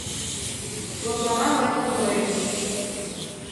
Лыплана лай кумылем.